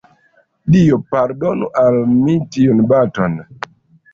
Dio pardonu al mi tiun baton!